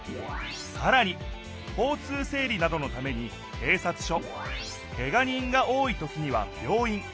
さらに交通せい理などのためにけいさつ署けが人が多いときには病院。